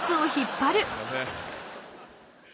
すいません。